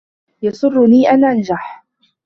يَسُرُّنِي أَنْ أَنْجَحَ.